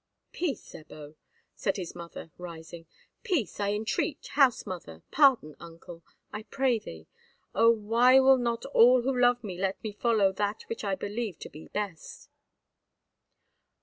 "Peace, Ebbo!" said his mother, rising; "peace, I entreat, house mother! pardon, uncle, I pray thee. O, why will not all who love me let me follow that which I believe to be best!"